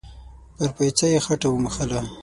پر پايڅه يې خټه و موښله.